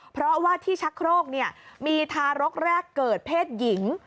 เพราะว่าที่ชักโครกมีทารกแรกเกิดเพศหญิง